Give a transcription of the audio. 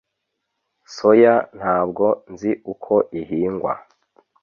Soya ntabwo nzi uko ihingwa